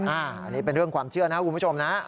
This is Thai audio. อันนี้เป็นเรื่องความเชื่อนะคุณผู้ชมนะ